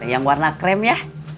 yang warna krem ya